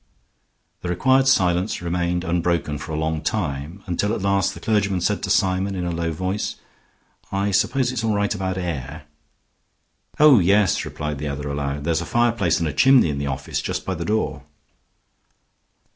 The required silence remained unbroken for a long time until at last the clergyman said to Symon in a low voice: "I suppose it's all right about air?" "Oh, yes," replied the other aloud; "there's a fireplace and a chimney in the office just by the door."